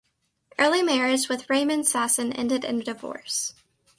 Early marriage with Raymond Sasson ended in divorce.